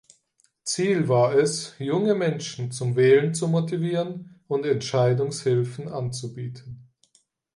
Ziel war es, junge Menschen zum Wählen zu motivieren und Entscheidungshilfen anzubieten.